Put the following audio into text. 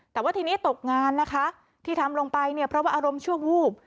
แต่ว่าทีนี้ตกงานนะคะที่ทำลงไปเนี่ยเพราะว่าอารมณ์ชั่ววูบ